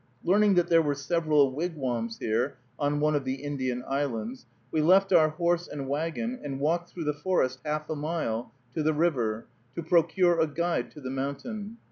Learning that there were several wigwams here, on one of the Indian islands, we left our horse and wagon and walked through the forest half a mile to the river, to procure a guide to the mountain.